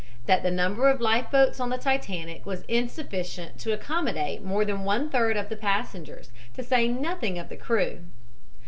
"That the number of life boats on the Titanic was insufficient to accommodate more than one third of the passengers, to say nothing of the crew.